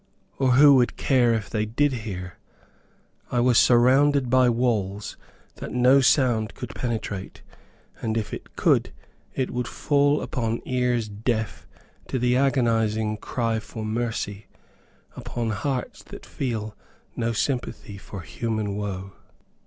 Or who would care if they did hear? I was surrounded by walls that no sound could penetrate, and if it could, it would fall upon ears deaf to the agonizing cry for mercy, upon hearts that feel no sympathy for human woe.